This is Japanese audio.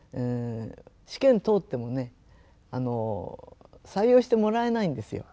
試験通ってもね採用してもらえないんですよ。